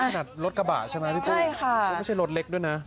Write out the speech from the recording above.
สนัดรถกระบะใช่ไหมพี่โต๊ะไม่ใช่รถเล็กด้วยนะใช่ค่ะ